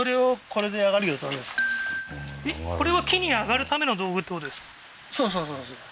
これは木に上がるための道具ってことですか？